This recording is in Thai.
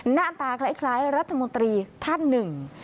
หน้าตาคล้ายรัฐมนตรีท่านหนึ่ง